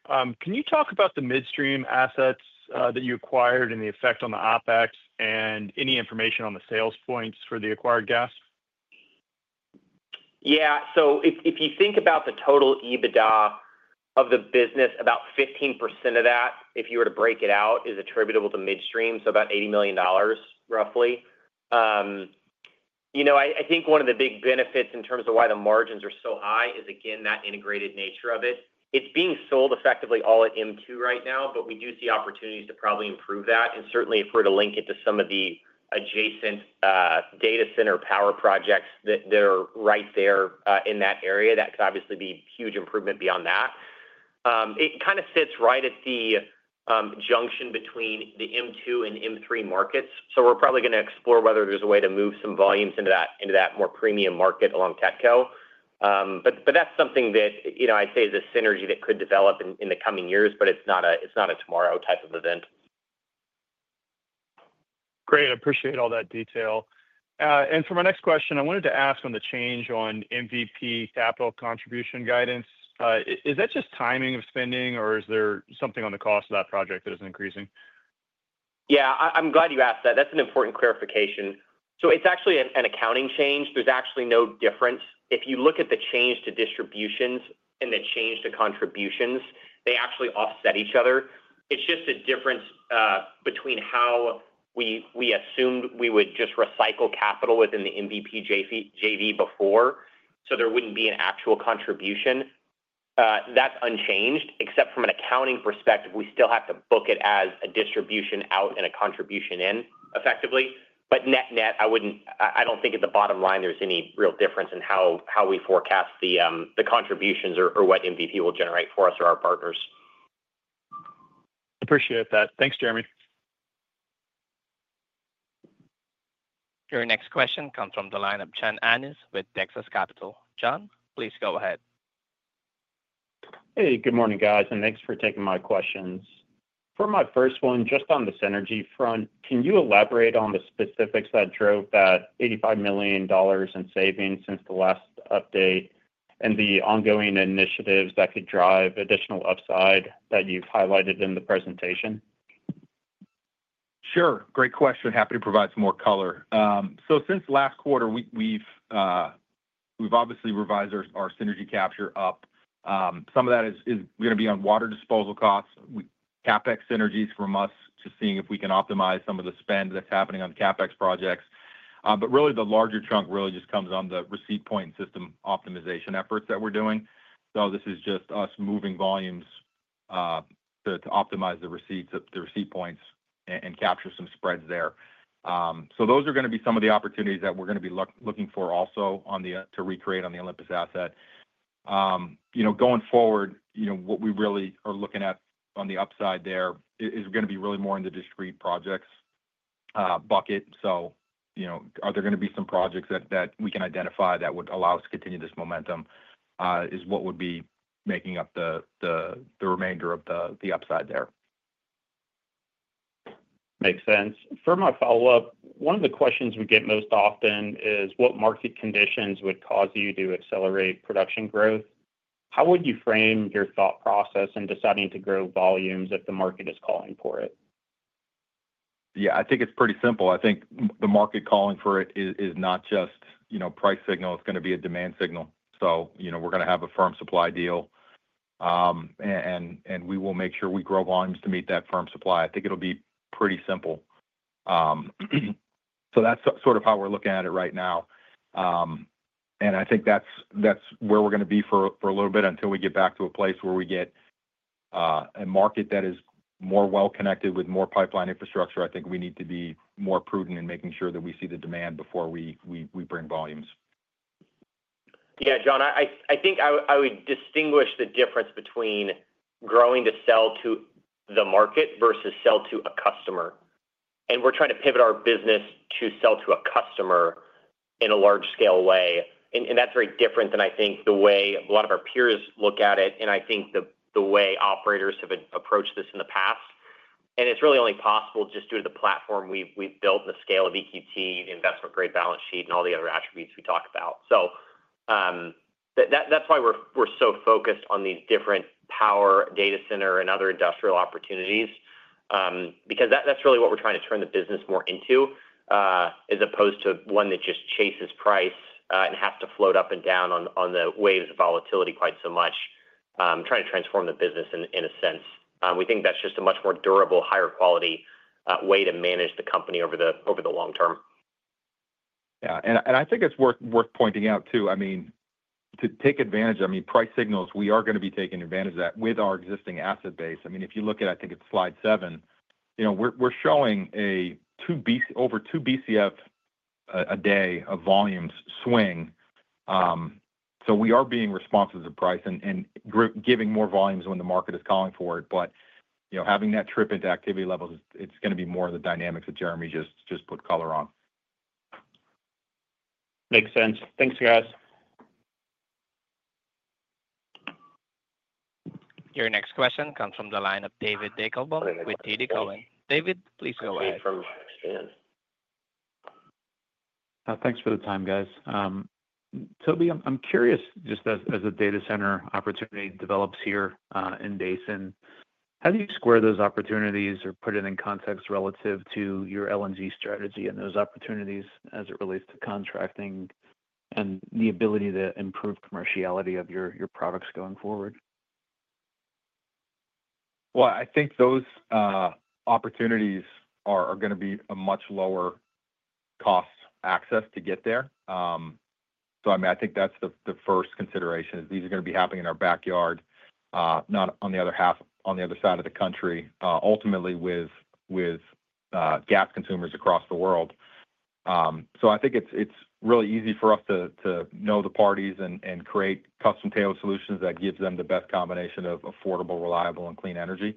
Can you talk about the midstream assets that you acquired and the effect on the OpEx and any information on the sales points for the acquired gas? Yeah. If you think about the total EBITDA of the business, about 15% of that, if you were to break it out, is attributable to midstream. So about $80 million roughly. You know, I think one of the big benefits in terms of why the margins are so high is again that integrated nature of it. It's being sold effectively all at M2 right now. We do see opportunities to probably improve that. Certainly if we're to link it to some of the adjacent data center power projects that are right there in that area, that could obviously be a huge improvement. Beyond that, it kind of sits right at the junction between the M2 and M3 markets. We are probably going to explore whether there's a way to move some volumes into that more premium market along Tetco. That is something that I say is a synergy that could develop in the coming years, but it is not a tomorrow type of event. Great. I appreciate all that detail. For my next question I wanted to ask on the change on MVP capital contribution guidance, is that just timing of spending or is there something on the cost of that project that is increasing? Yeah, I'm glad you asked that. That's an important clarification. It's actually an accounting change. There's actually no difference. If you look at the change to distributions and the change to contributions, they actually offset each other. It's just a difference between how we assumed we would just recycle capital within the MVP JV before so there wouldn't be an actual contribution that's unchanged except from an accounting perspective. We still have to book it as a distribution out and a contribution in effectively. Net net, I wouldn't, I don't think at the bottom line there's any real difference in how we forecast the contributions or what MVP will generate for us or our partners. Appreciate that, thanks. Jeremy. Your next question comes from the lineup John Annis with Texas Capital. John, please go ahead. Hey, good morning guys and thanks for taking my questions. For my first one, just on the synergy front, can you elaborate on the specifics that drove that $85 million in savings since the last update and the ongoing initiatives that could drive additional upside that you've highlighted in the presentation? Sure. Great question. Happy to provide some more color. Since last quarter, we've obviously revised our synergy capture up. Some of that is going to be on water disposal costs. CapEx synergies from us to seeing if we can optimize some of the spend that's happening on CapEx projects. The larger chunk really just comes on the receipt point system optimization efforts that we're doing. This is just us moving volumes to optimize the receipts of the receipt points and capture some spreads there. Those are going to be some of the opportunities that we're going to be looking for. Also to recreate on the Olympus asset. You know, going forward, you know, what we really are looking at on the upside, there is going to be really more in the discrete projects bucket. You know, are there going to be some projects that we can identify that would allow us to continue this momentum? Is what would be making up the remainder of the upside there? Makes sense. For my follow up, one of the questions we get most often is what market conditions would cause you to accelerate production growth? How would you frame your thought process in deciding to grow volumes if the market is calling for it? Yeah, I think it's pretty simple. I think the market calling for it is not just, you know, price signal, it's going to be a demand signal. You know, we're going to have a firm supply deal and we will make sure we grow volumes to meet that firm supply. I think it'll be pretty simple. That's sort of how we're looking at it right now. I think that's where we're going to be for a little bit. Until we get back to a place where we get a market that is more well connected with more pipeline infrastructure. I think we need to be more prudent in making sure that we see the demand before we bring volumes. Yeah, John, I think I would distinguish the difference between growing to sell to the market versus sell to a customer. We're trying to pivot our business to sell to a customer in a large scale way. That is very different than, I think, the way a lot of our peers look at it. I think the way operators have approached this in the past, it is really only possible just due to the platform we have built, the scale of EQT, investment grade balance sheet, and all the other attributes we can talk about. That is why we are so focused on these different power, data center, and other industrial opportunities. Because that's really what we're trying to turn the business more into as opposed to one that just chases price and has to float up and down on the waves of volatility quite so much, trying to transform the business. In a sense, we think that's just a much more durable, higher quality way to manage the company over the long term. Yeah, I think it's worth pointing out too, I mean to take advantage, I mean price signals we are going to be taking advantage of that with our existing asset base. I mean if you look at I think it's slide 7, you know, we're showing a 2 Bcf over 2 Bcf a day of volumes swing. We are being responsive to price and giving more volumes when the market is calling for it. You know, having that trip into activity levels, it's going to be more of the dynamics that Jeremy just put color on. Makes sense. Thanks guys. Your next question comes from the line of David Deckelbaum with TD Cowen. David, please go ahead. Thanks for the time guys. Toby, I'm curious just as a data center opportunity develops here in Basin, how do you square those opportunities or put it in context relative to your LNG strategy and those opportunities as it relates to contracting and the ability to improve commerciality of your products going forward? I think those opportunities are going to be a much lower cost access to get there. I mean I think that's the first consideration. These are going to be happening in our backyard, not on the other half, on the other side of the country ultimately with gas consumers across the world. I think it's really easy for us to know the parties and create custom tailored solutions that gives them the best combination of affordable, reliable and clean energy.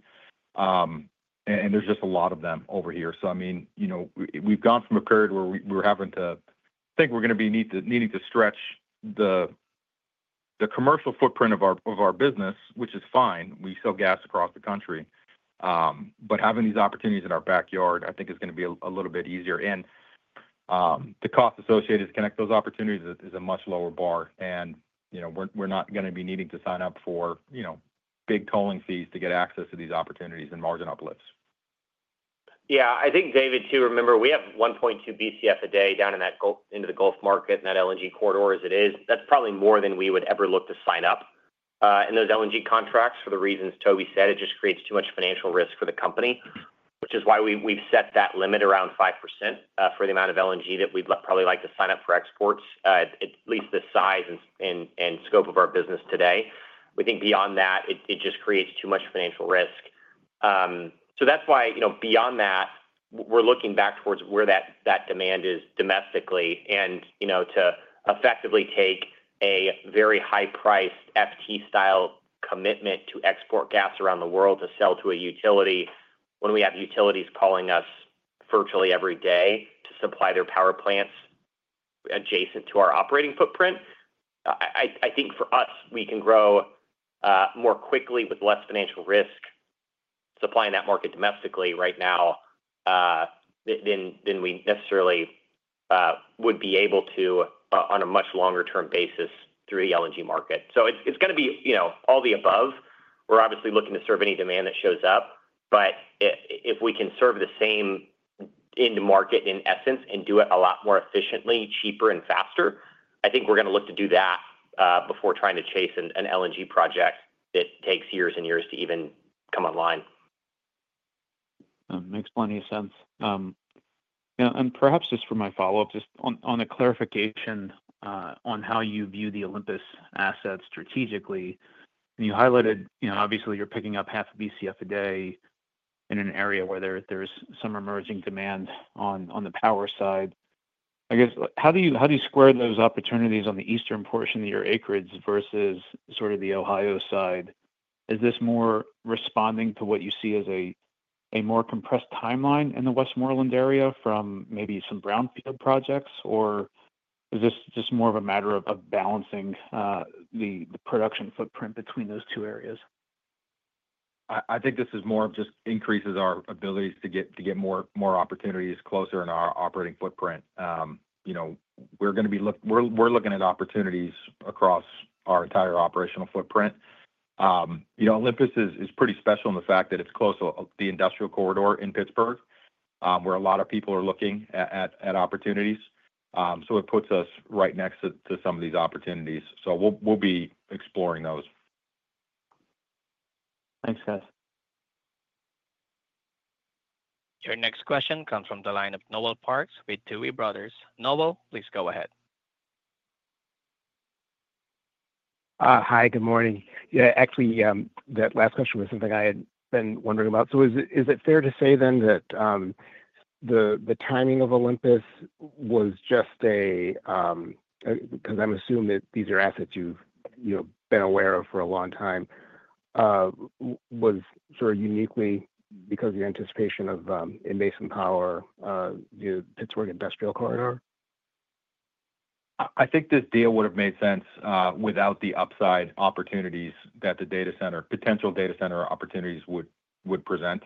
There's just a lot of them over here. I mean, you know, we've gone from a period where we're having to think we're going to be needing to stretch the commercial footprint of our business, which is fine, we sell gas across the country. Having these opportunities in our backyard I think is going to be a little bit easier and the cost associated to connect those opportunities is a much lower bar. You know, we're not going to be needing to sign up for, you know, big tolling fees to get access to these opportunities and margin uplifts. Yeah, I think David, to remember we have 1.2 Bcf a day down in that into the Gulf market and that LNG corridor as it is, that's probably more than we would ever look to sign up in those LNG contracts for the reasons Toby said it just creates too much financial risk for the company which is why we've set that limit around 5% for the amount of LNG that we'd probably like to sign up for exports at least the size and scope of our business today we think beyond that it just creates too much financial risk. That's why beyond that we're looking back towards where that demand is domestically and you know, to effectively take a very high priced FT style commitment to export gas around the world to sell to a utility. When we have utilities calling us virtually every day to supply their power plants adjacent to our operating footprint, I think for us we can grow more quickly with less financial risk supplying that market domestically right now than we necessarily would be able to on a much longer term basis through the LNG market. It is going to be, you know, all the above. We are obviously looking to serve any demand that shows up. If we can serve the same end market in essence and do it a lot more efficiently, cheaper and faster, I think we are going to look to do that before trying to chase an LNG project that takes years and years to even come online. Makes plenty of sense. Perhaps just for my follow up. Just on a clarification on how you view the Olympus assets strategically you highlighted, you know, obviously you're picking up half a Bcf a day in an area where there's some emerging demand on the power side, I guess, how do you, how do you square those opportunities on the eastern portion of your acreage versus sort of the Ohio side? Is this more responding to what you see as a more compressed timeline in the Westmoreland area from maybe some brownfield projects, or is this just more of a matter of balancing the production footprint between those two areas? I think this is more, just increases our abilities to get more opportunities closer in our operating footprint. We're looking at opportunities across our entire operational footprint. You know, Olympus is pretty special in the fact that it's close to the industrial corridor in Pittsburgh where a lot of people are looking at opportunities. It puts us right next to some of these opportunities. We'll be exploring those. Thanks guys. Your next question comes from the line of Noel Parks with Tuohy Brothers. Noel, please go ahead. Hi, good morning. Yeah, actually that last question was something I had been wondering about. Is it fair to say then that the timing of Olympus was just a, because I'm assuming these are assets you've been aware of for a long time, was sort of uniquely because the anticipation of invasive power, the Pittsburgh industrial corridor? I think this deal would have made sense without the upside opportunities that the data center, potential data center opportunities would present.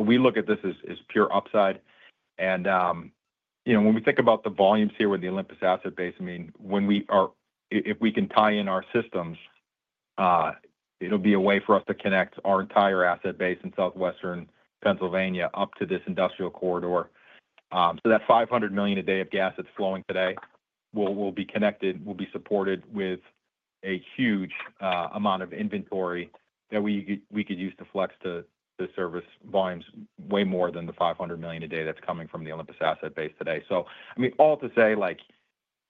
We look at this as pure upside. And you know, when we think about the volumes here with the Olympus asset base, I mean, if we can tie in our systems, it'll be a way for us to connect our entire asset base in southwestern Pennsylvania up to this industrial corridor. That 500 million a day of gas that's flowing today will be connected, will be supported with a huge amount of inventory that we could use to flex to the service volumes. Way more than the 500 million a day that's coming from the Olympus asset base today. I mean, all to say, like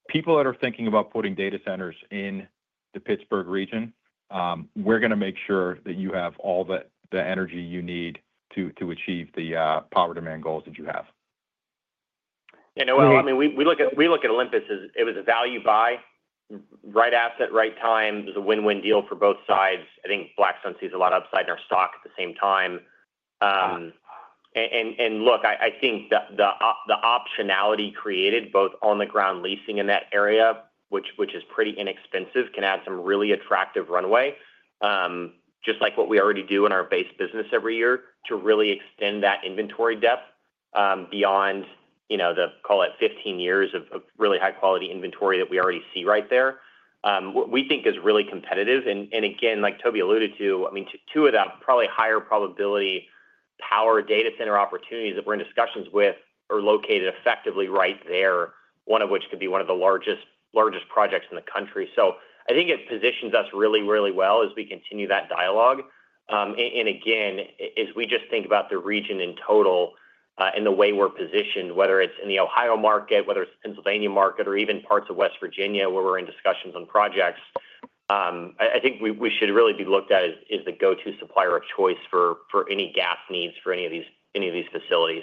people that are thinking about putting data centers in the Pittsburgh region, we're going to make sure that you have all the energy you need to achieve the power demand goals that you have. We look at Olympus as it was a value buy, right asset, right time. It was a win-win deal for both sides. I think Blackstone sees a lot of upside in our stock at the same time. I think the optionality created both on the ground leasing in that area, which is pretty inexpensive, can add some really attractive runway just like what we already do in our base business every year to really extend that inventory depth beyond the, call it, 15 years of really high-quality inventory that we already see right there. We think is really competitive and again, like Toby alluded to, two of them, probably higher probability power data center opportunities that we're in discussions with, are located effectively right there. One of which could be one of the largest, largest projects in the country. I think it positions us really, really well as we continue that dialogue. Again, as we just think about the region in total and the way we're positioned, whether it's in the Ohio market, whether it's Pennsylvania market or even parts of West Virginia where we're in discussions on projects, I think we should really be looked at as the go-to supplier of choice for any gas needs for any of these facilities.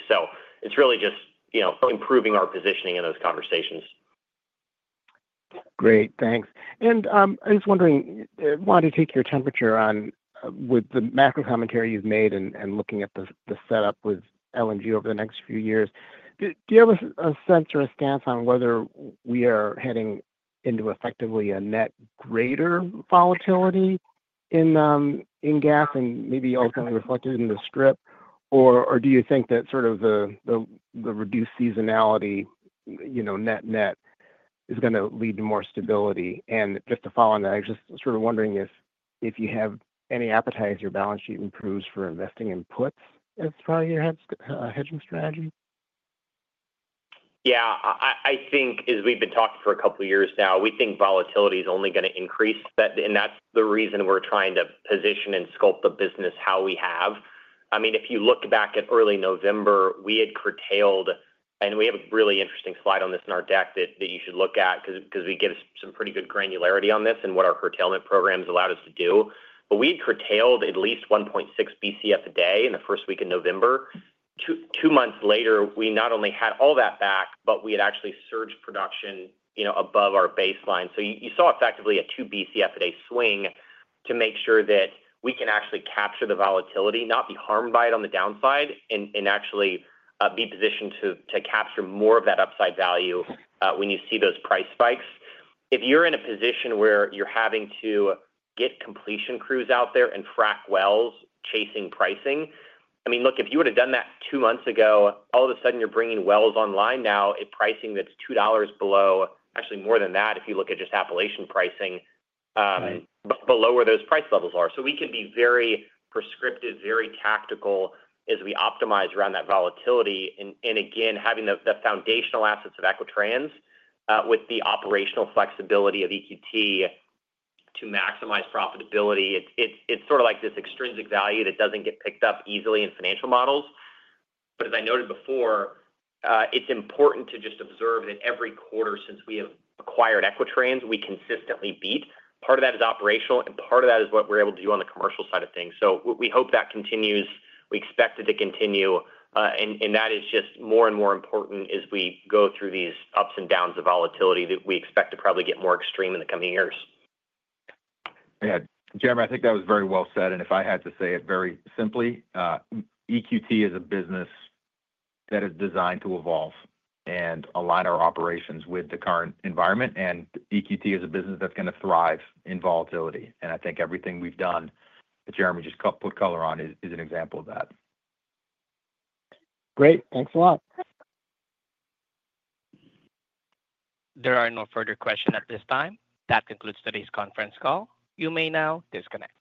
It's really just, you know, improving our positioning in those conversations. Great, thanks. I was wondering why to take your temperature on with the macro commentary you've made and looking at the setup with LNG over the next few years. Do you have a sense or a stance on whether we are heading into effectively a net greater volatility in gas and maybe ultimately reflected in the strip or do you think that sort of the reduced seasonality net net is going to lead to more stability? Just to follow on that, I was just sort of wondering if you have any appetite as your balance sheet improves for investing in puts as part of your hedging strategy. Yeah, I think as we've been talking for a couple years now we think volatility is only going to increase in that. The reason we're trying to position and sculpt the business how we have, I mean, if you look back at early November, we had curtailed and we have a really interesting slide on this in our deck that you should look at because we give some pretty good granularity on this and what our curtailment programs allowed us to do. We had curtailed at least 1.6 Bcf a day in the first week in November. Two months later, we not only had all that back, but we had actually surged production, you know, above our baseline. You saw effectively a 2 Bcf a day swing to make sure that we can actually capture the volatility, not be harmed by it on the downside, and actually be positioned to capture more of that upside value. When you see those price spikes, if you're in a position where you're having to get completion crews out there and frac wells chasing pricing, I mean, look, if you would have done that two months ago, all of a sudden you're bringing wells online now at pricing that's $2 below, actually more than that if you look at just Appalachian pricing below where those price levels are. We can be very prescriptive, very tactical as we optimize around that volatility. Again, having the foundational assets of Equitrans with the operational flexibility of EQT to maximize profitability, it's sort of like this extrinsic value that doesn't get picked up easily in financial models. As I noted before, it's important to just observe that every quarter since we have acquired Equitrans, we consistently beat. Part of that is operational and part of that is what we're able to do on the commercial side of things. We hope that continues. We expect it to continue. That is just more and more important as we go through these ups and downs of volatility that we expect to probably get more extreme in the coming years. Jeremy, I think that was very well said. If I had to say it very simply, EQT is a business that is designed to evolve and align our operations with the current environment. EQT is a business that's going to thrive in volatility. I think everything we've done, Jeremy, just put color on, is an example of that. Great. Thanks a lot. There are no further questions at this time. That concludes today's conference call. You may now disconnect.